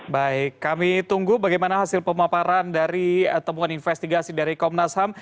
baik kami tunggu bagaimana hasil pemaparan dari temuan investigasi dari komnas ham